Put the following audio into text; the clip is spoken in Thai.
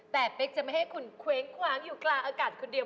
แต่เป๊กจะไม่ให้คุณเคว้งคว้างอยู่กลางอากาศคนเดียว